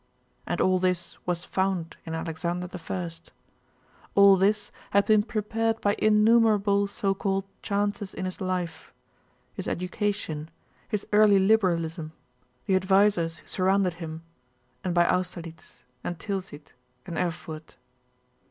And all this was found in Alexander I; all this had been prepared by innumerable so called chances in his life: his education, his early liberalism, the advisers who surrounded him, and by Austerlitz, and Tilsit, and Erfurt.